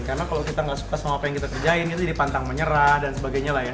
karena kalau kita tidak suka dengan apa yang kita kerjain kita dipantang menyerah dan sebagainya